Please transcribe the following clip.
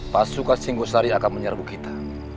pasukan singgoh sari akan menyerbu kita